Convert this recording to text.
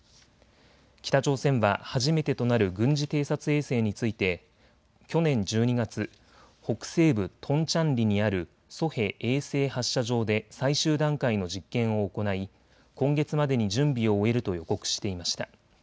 北朝鮮は初めてとなる軍事偵察衛星について去年１２月、北西部トンチャンリにあるソヘ衛星発射場で最終段階の実験を行い今月までに準備を終えると予告していました。